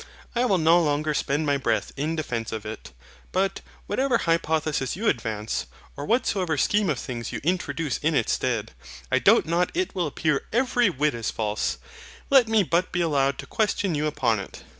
I will no longer spend my breath in defence of it. But whatever hypothesis you advance, or whatsoever scheme of things you introduce in its stead, I doubt not it will appear every whit as false: let me but be allowed to question you upon it.